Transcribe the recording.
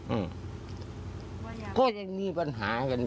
อืมพยายามค่อยยังมีปัญหากันดิ